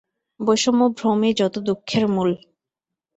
বৈষম্য ভ্রমই যত দুঃখের মূল।